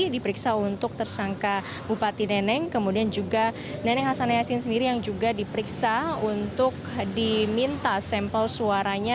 diperiksa untuk tersangka bupati neneng kemudian juga neneng hasan yasin sendiri yang juga diperiksa untuk diminta sampel suaranya